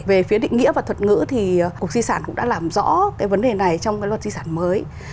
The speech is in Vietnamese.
về phía định nghĩa và thuật ngữ thì cục di sản cũng đã làm rõ cái vấn đề này trong cái luật di sản mới